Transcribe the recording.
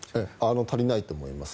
足りないと思います。